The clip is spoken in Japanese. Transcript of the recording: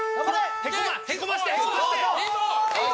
へこませてへこませて！